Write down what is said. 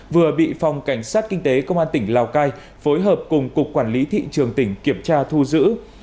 vừa bị phòng cảnh sát kinh tế công an tỉnh lào cai phối hợp cùng cục quản lý thị trường tỉnh kiểm tra thu giữ